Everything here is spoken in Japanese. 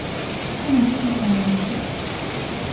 好きな季節は夏